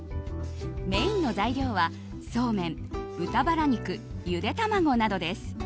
メインの材料は、そうめん豚バラ肉、ゆで卵などです。